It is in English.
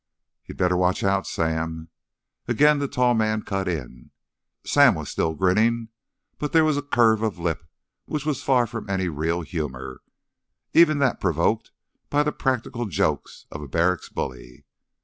"You'd better watch out, Sam." Again the tall man cut in. Sam was still grinning, but there was a curve of lip which was far from any real humor, even that provoked by the practical jokes of a barracks bully.